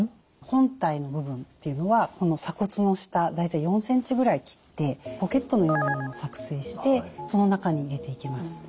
本体の部分っていうのはこの鎖骨の下大体４ｃｍぐらい切ってポケットのようなものを作成してその中に入れていきます。